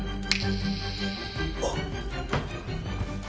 あっ。